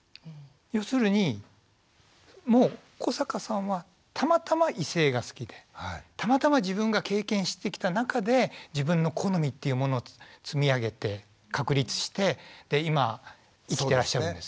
要するにもう古坂さんはたまたま異性が好きでたまたま自分が経験してきた中で自分の好みっていうものを積み上げて確立してで今生きてらっしゃるんです。